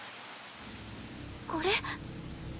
これ。